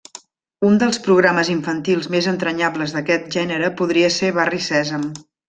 Un dels programes infantils més entranyables d'aquest gènere podria ser Barri Sèsam.